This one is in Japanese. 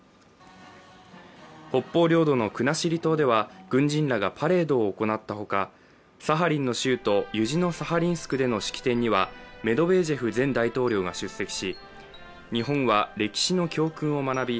北方領土の国後島では軍人らがパレードを行ったほかサハリンの州都、ユジノサハリンスクでの式典にはメドベージェフ前大統領が出席し日本は歴史の教訓を学び